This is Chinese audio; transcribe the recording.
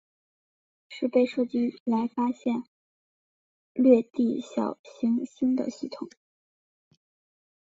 是被设计来发现掠地小行星的系统。